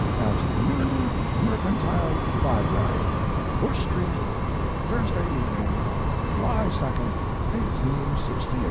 AT NEW MERCANTILE LIBRARY Bush Street Thursday Evening, July 2, 1868 APPENDIX I.